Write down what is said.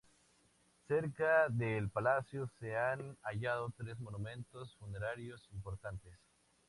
Cerca del palacio se han hallado tres monumentos funerarios importantes.